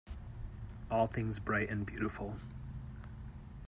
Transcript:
All things bright and beautiful.